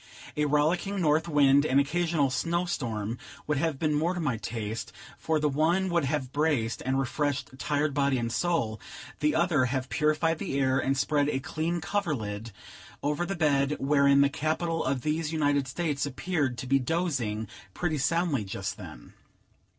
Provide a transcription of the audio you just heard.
A rollicking north wind and occasional snow storm would have been more to my taste, for the one would have braced and refreshed tired body and soul, the other have purified the air, and spread a clean coverlid over the bed, wherein the capital of these United States appeared to be dozing pretty soundly just then.